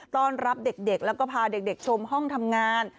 ต้อนรับเด็กแล้วก็พาเด็กชมห้องทำงาน